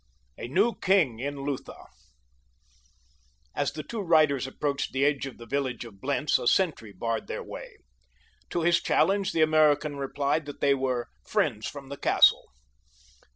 A NEW KING IN LUTHA As the two riders approached the edge of the village of Blentz a sentry barred their way. To his challenge the American replied that they were "friends from the castle."